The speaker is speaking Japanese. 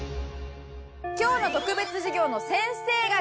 今日の特別授業の先生が来ます。